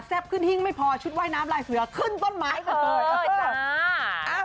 แซ่บขึ้นหิ้งไม่พอชุดว่ายน้ำลายเสือขึ้นต้นไม้เถอะ